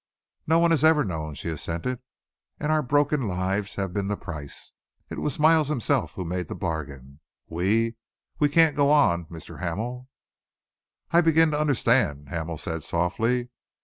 "No one has ever known," she assented, "and our broken lives have been the price. It was Miles himself who made the bargain. We we can't go on, Mr. Hamel." "I begin to understand," Hamel said softly.